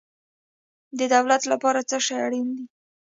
د دولت لپاره څه شی اړین دی؟